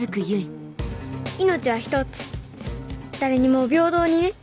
命はひとつ誰にも平等にね。